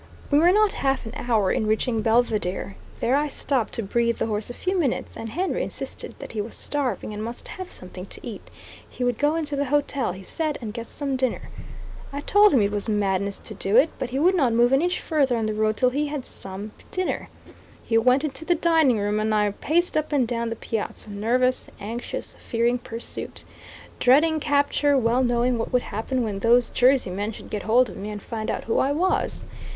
We were not half an hour in reaching Belvidere. There I stopped to breathe the horse a few minutes, and Henry insisted that he was starving, and must have something to eat; he would go into the hotel he said, and get some dinner. I told him it was madness to do it; but he would not move an inch further on the road till he had some dinner. He went into the dining room, and I paced up and down the piazza, nervous, anxious, fearing pursuit, dreading capture, well knowing what would happen when those Jerseymen should get hold of me and find out who I was.